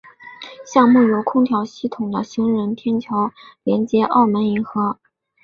项目有空调系统的行人天桥连接澳门银河。